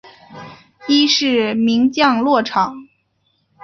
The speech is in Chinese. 伊是名降落场。